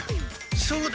そうだ！